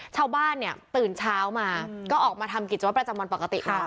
ชาวบ้านเนี่ยตื่นเช้ามาก็ออกมาทำกิจวัตรประจำวันปกติค่ะ